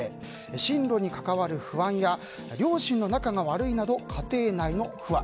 進路に関わる不安や両親の仲が悪いなど家庭内の不和。